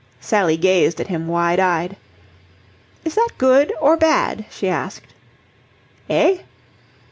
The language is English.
Sally gazed at him wide eyed. "Is that good or bad?" she asked. "Eh?"